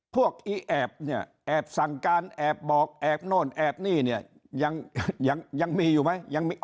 พวกไอ้แอบแอบสั่งการแอบบอกแอบโน่นแอบนี้ยังมีอยู่ไหม